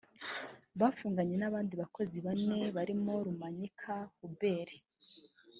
Bafunganywe n’abandi bakozi bane barimo Rumanyika Hubert